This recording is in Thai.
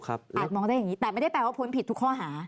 มองได้อย่างนี้แต่ไม่ได้แปลว่าพ้นผิดทุกข้อหา